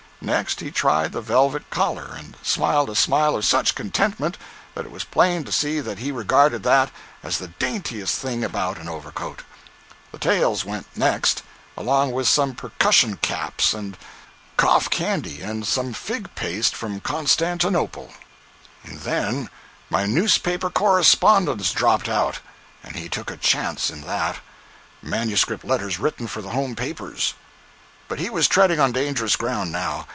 Next he tried the velvet collar, and smiled a smile of such contentment that it was plain to see that he regarded that as the daintiest thing about an overcoat. The tails went next, along with some percussion caps and cough candy, and some fig paste from Constantinople. 035.jpg (95K) And then my newspaper correspondence dropped out, and he took a chance in that—manuscript letters written for the home papers. But he was treading on dangerous ground, now.